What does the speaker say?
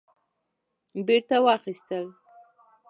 بیرته واخیستل